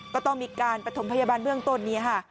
ก็ต้องมีการประถมพยาบาลเบื้องต้นนี้ค่ะ